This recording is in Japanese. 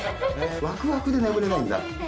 ワクワクで眠れないんだ。